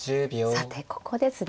さてここですね。